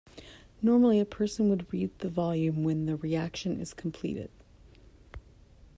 Normally a person would read the volume when the reaction is completed.